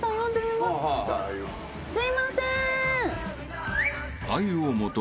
すいませーん！